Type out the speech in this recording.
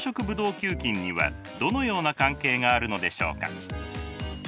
球菌にはどのような関係があるのでしょうか。